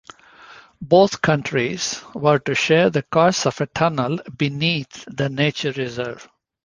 Both countries were to share the costs of a tunnel beneath the nature reserve.